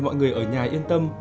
bố mẹ và mọi người ở nhà yên tâm